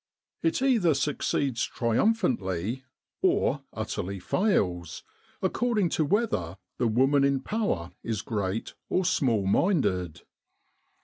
It either succeeds triumphantly, or utterly fails, according to whether the woman in power is great or small minded.